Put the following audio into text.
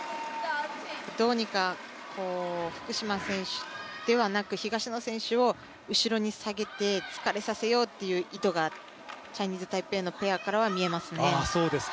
どうにか福島選手ではなく東野選手を後ろに下げて疲れさせようっていう意図がチャイニーズ・タイペイのペアからは見えますね。